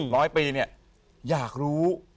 ร้อยปีเนี่ยอยากรู้